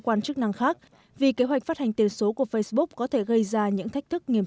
quan chức năng khác vì kế hoạch phát hành tiền số của facebook có thể gây ra những thách thức nghiêm